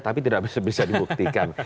tapi tidak bisa dibuktikan